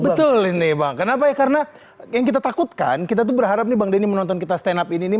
betul ini bang kenapa ya karena yang kita takutkan kita tuh berharap nih bang denny menonton kita stand up ini nih